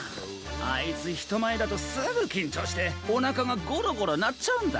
あいつひとまえだとすぐきんちょうしておなかがゴロゴロなっちゃうんだ。